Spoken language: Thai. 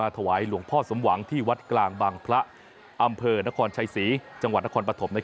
ถวายหลวงพ่อสมหวังที่วัดกลางบางพระอำเภอนครชัยศรีจังหวัดนครปฐม